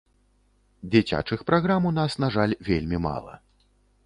Дзіцячых праграм у нас, на жаль, вельмі мала.